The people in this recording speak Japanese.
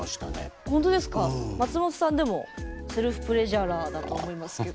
松本さんでもセルフプレジャラーだと思いますけど。